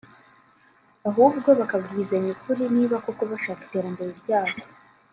ahubwo bakabwizanya ukuri niba koko bashaka Iterambere ryako